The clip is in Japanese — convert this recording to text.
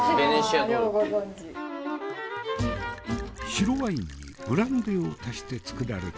白ワインにブランデーを足して造られた酒。